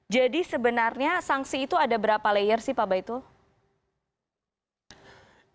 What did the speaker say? jadi sebenarnya sanksi itu ada berapa layer sih pak baitul